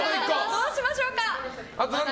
どうしましょうか。